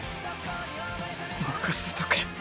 任せとけ。